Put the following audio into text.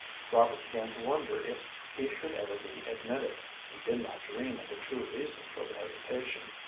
Robert began to wonder if he should ever be admitted. He did not dream of the true reason for the hesitation.